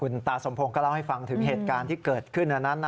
ตาสมพงศ์ก็เล่าให้ฟังถึงเหตุการณ์ที่เกิดขึ้น